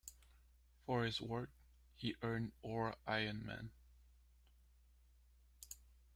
For his work, he earned All-Ironman.